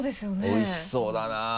おいしそうだな。